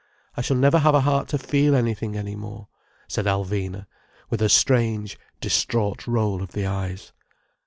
I shall never have a heart to feel anything any more," said Alvina, with a strange, distraught roll of the eyes.